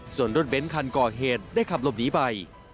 ส่วนรถเบ้นคันก่อเหตุได้ขับหลบหนีไป